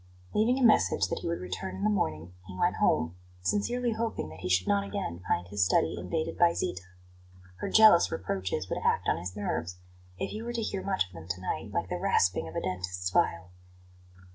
Leaving a message that he would return in the morning he went home, sincerely hoping that he should not again find his study invaded by Zita. Her jealous reproaches would act on his nerves, if he were to hear much of them to night, like the rasping of a dentist's file.